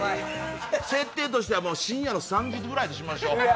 設定としては深夜の３時ぐらいとしましょう。